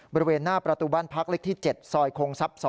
บริเวณหน้าประตูบ้านพักเล็กที่๗ซอยคงทรัพย์๒